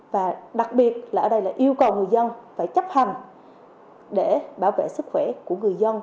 và đặc biệt là yêu cầu người dân phải chấp hành để bảo vệ sức khỏe của người dân